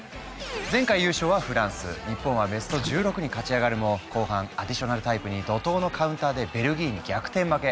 前回優勝はフランス日本はベスト１６に勝ち上がるも後半アディショナルタイムに怒とうのカウンターでベルギーに逆転負け。